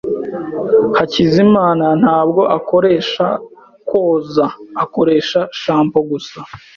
Hakizimana ntabwo akoresha kwoza. Akoresha shampoo gusa.